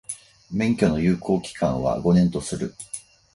免許の有効期間は、五年とする。